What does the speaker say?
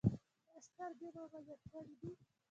ایا سترګې مو عملیات کړي دي؟